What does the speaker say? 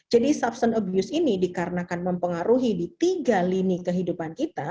jadi substance abuse ini dikarenakan mempengaruhi di tiga lini kehidupan kita